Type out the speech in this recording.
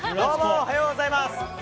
おはようございます。